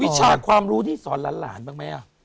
วิชาความรู้นี่สอนหลานบ้างไหม